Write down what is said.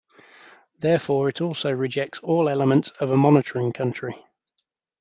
Therefore, it also rejects all elements of a monitoring country.